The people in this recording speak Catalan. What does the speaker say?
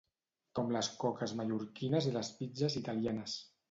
com les coques mallorquines i les pizzes italianes